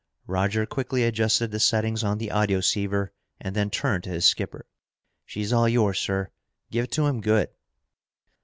Roger quickly adjusted the settings on the audioceiver and then turned to his skipper. "She's all yours, sir. Give it to him good!"